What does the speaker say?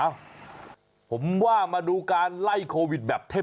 เอ้าผมว่ามาดูการไล่โควิดแบบเท่